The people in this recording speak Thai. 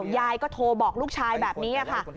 ยายก็โทรบอกลูกชายแบบนี้ค่ะ